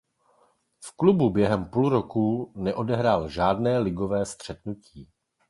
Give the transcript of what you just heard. V klubu během půl roku neodehrál žádné ligové střetnutí.